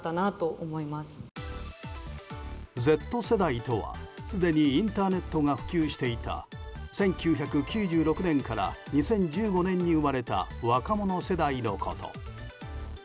Ｚ世代とはすでにインターネットが普及していた１９９６年から２０１５年に生まれた若者世代のこと。